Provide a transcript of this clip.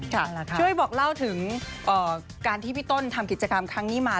ช่วยบอกเล่าถึงการที่พี่ต้นทำกิจกรรมครั้งนี้มา